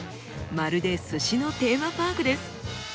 まるで鮨のテーマパークです。